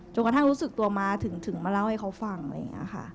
กระทั่งรู้สึกตัวมาถึงมาเล่าให้เขาฟังอะไรอย่างนี้ค่ะ